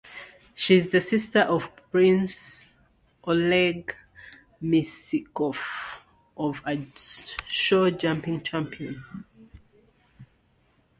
She is the sister of Prince Oleg Missikoff, a showjumping champion.